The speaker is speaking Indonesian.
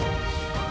nah ini sudah hilang